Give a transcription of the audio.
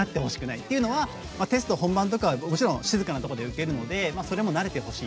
っていうのは、テスト本番とかもちろん静かなところで受けるのでそれも慣れてほしい。